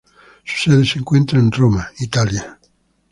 Su sede se encuentra en Roma, Italia.